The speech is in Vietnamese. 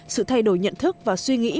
sự thay đổi nhận thức và suy nghĩ